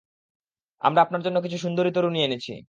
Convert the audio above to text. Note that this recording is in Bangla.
আমরা আপনার জন্য কিছু সুন্দরী তরুণী এনেছি।